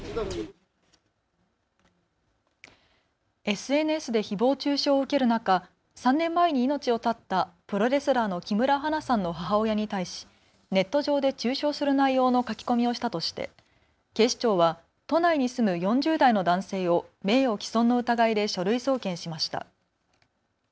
ＳＮＳでひぼう中傷を受ける中、３年前に命を絶ったプロレスラーの木村花さんの母親に対しネット上で中傷する内容の書き込みをしたとして警視庁は都内に住む４０代の男性を名誉毀損の疑いで書類送検しました。